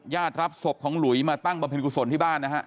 ญาติรับศพของหลุยมาตั้งประเภทกุศลที่บ้านนะครับ